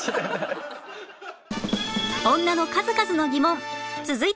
女の数々の疑問続いては